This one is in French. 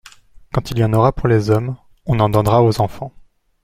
Quand il y en aura pour les hommes, on en donnera aux enfants.